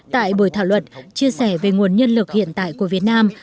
tại buổi thảo luận chia sẻ về nguồn nhân lực hiện tại của việt nam